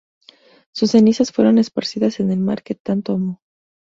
Sus cenizas fueron esparcidas en el mar, que tanto amó.